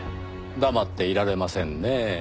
黙っていられませんねぇ。